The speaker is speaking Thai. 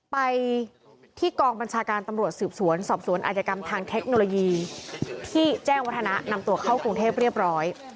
ไปที่กองบัญชาการตำรวจสืบสวนสอบสวนอาจกรรมทางเทคโนโลยีที่แจ้งวัฒนะนำตัวเข้ากรุงเทพเรียบร้อย